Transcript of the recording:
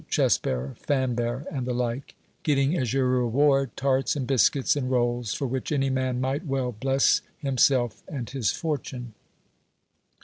Chest bearer, Fan bearer, and the like, g( t ring as your reward tarts and biscuits and rolls: for which any man might well bless him self and his fortune!